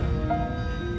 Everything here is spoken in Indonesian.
dia juga punya tim